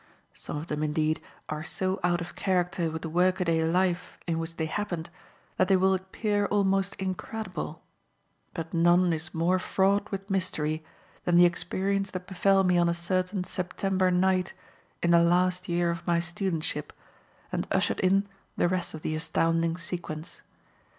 Some of them indeed are so out of character with the workaday life in which they happened that they will appear almost incredible; but none is more fraught with mystery than the experience that befell me on a certain September night in the last year of my studentship and ushered in the rest of the astounding sequence.